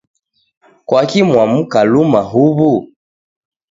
Kwaki mwamuka luma huw'u?